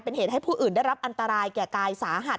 เป็นเหตุให้ผู้อื่นได้รับอันตรายแก่กายสาหัส